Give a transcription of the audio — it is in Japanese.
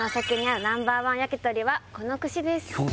はいはこの串です